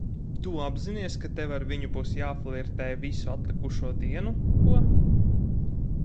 Tu apzinies, ka tev ar viņu būs jāflirtē visu atlikušo dienu, ko?